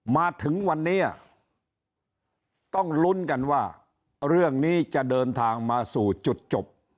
มาถึงวันนี้ต้องลุ้นกันว่าเรื่องนี้จะเดินทางมาสู่จุดจบ